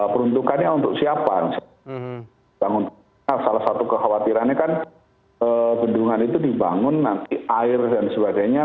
peruntukannya untuk siapa salah satu kekhawatirannya kan bendungan itu dibangun nanti air dan sebagainya